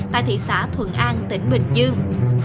tại thị xã thuận an tỉnh bình dương